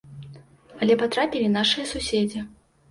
Але патрапілі нашыя суседзі.